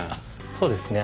そうですね。